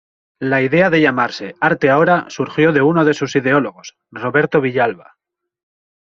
La idea de llamarse Arte Ahora surgió de uno de sus ideólogos, Roberto Villalba.